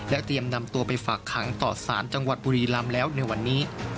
เตรียมนำตัวไปฝากขังต่อสารจังหวัดบุรีลำแล้วในวันนี้